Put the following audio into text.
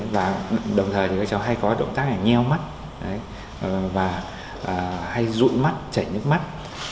và đồng thời thì các cháu hay có động tác ngheo mắt và hay rụi mắt chảy nước mắt